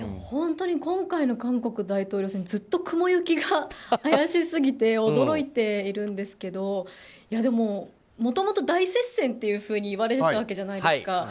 本当に今回の韓国大統領選ずっと雲行きが怪しすぎて驚いているんですけどもともと大接戦といわれていたわけじゃないですか。